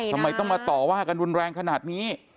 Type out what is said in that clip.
ทำไมต้องมาต่อว่ากันรุนแรงขนาดนี้